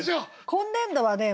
今年度はね